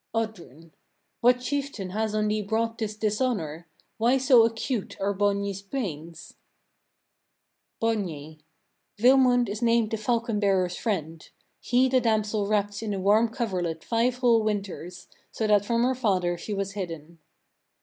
Oddrun. 6. What chieftain has on thee brought this dishonour? Why so acute are Borgny's pains? Borgny. 7. Vilmund is named the falcon bearer's friend: he the damsel wrapt in a warm coverlet five whole winters, so that from her father she was hidden.